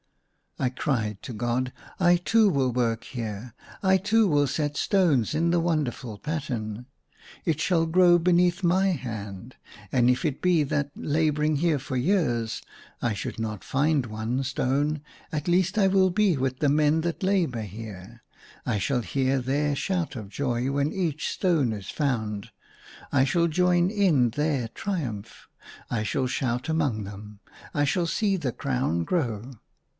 I cried to God, " I too will work here; I too will set stones in the wonderful pattern ; it shall grow beneath my hand. And if it be that, labouring here for years, I should not find one stone, at least I will be with the men that labour here. I shall hear their shout of joy when each stone is found ; I shall join in their triumph I shall shout among them; I shall see the crown grow."